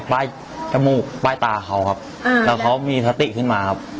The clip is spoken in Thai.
ป้ายจมูกป้ายตาเขาครับอ่าแล้วเขามีสติขึ้นมาครับอ๋อ